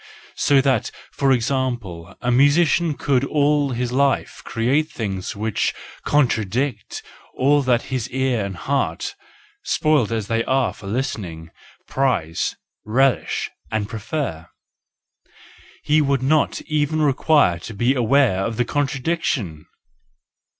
So that, for example, a musician could all his life create things which contradict all that his ear and heart, spoilt as they are for listening, prize, relish and prefer:—he would not even re WE FEARLESS ONES 331 quire to be aware of the contradiction!